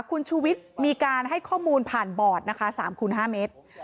คุณชูวิทย์มีการให้ข้อมูลผ่านบอร์ดนะคะ๓คูณ๕เมตร